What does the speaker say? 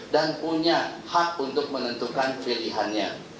dan punya hak untuk menentukan pilihannya